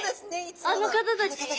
あの方たち？